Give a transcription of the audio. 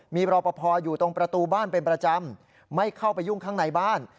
มีรอปภอยู่ตรงประตูบ้านเป็นประจำไม่เข้าไปยุ่งข้างในบ้าน